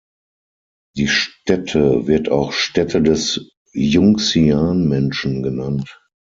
Die Stätte wird auch "Stätte des Yunxian-Menschen" genannt.